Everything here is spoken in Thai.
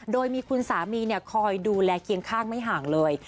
โดยมีคุณสามีคอยดูแลเคียงข้างไม่ห่างเลย